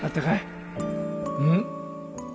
うん？